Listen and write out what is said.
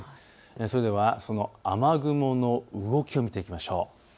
それではその雨雲の動きを見ていきましょう。